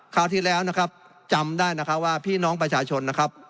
คราวที่แล้วนะครับจำได้นะคะว่าพี่น้องประชาชนนะครับ